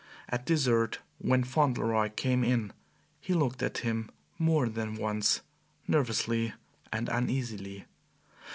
At dessert, when Fauntleroy came in, he looked at him more than once, nervously and uneasily.